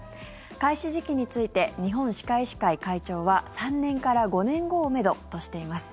開始時期について日本歯科医師会会長は３年から５年後をめどとしています。